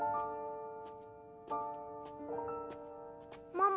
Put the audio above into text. ・ママ。